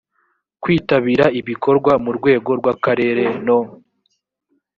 kwitabira ibikorwa mu rwego rw akarere no